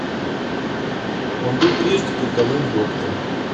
Он был прежде полковым доктором.